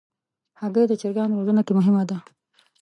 هګۍ د چرګانو روزنه کې مهم ده.